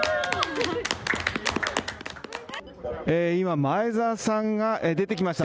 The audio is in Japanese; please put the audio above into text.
今、前澤さんが出てきました。